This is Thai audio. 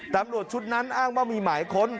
ตำรวจชุดนั้นอ้างว่ามีหมายค้น